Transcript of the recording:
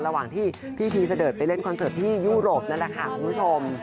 ระหว่างที่พี่พีเสดิร์ดไปเล่นคอนเสิร์ตที่ยุโรปนั่นแหละค่ะคุณผู้ชม